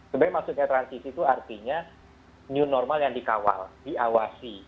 sebenarnya maksudnya transisi itu artinya new normal yang dikawal diawasi